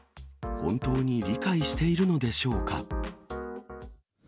本当に理解しているのでしょうか。